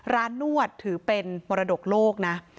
นวดถือเป็นมรดกโลกนะ